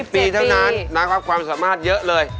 ๒๗ปีน้ำลับความสามารถเยอะเลย